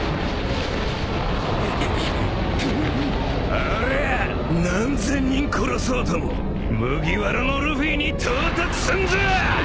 俺ぁ何千人殺そうとも麦わらのルフィに到達すんぞ！